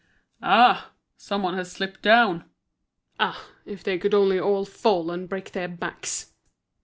"Ah! some one has slipped down! Ah, if they could only all fall and break their backs!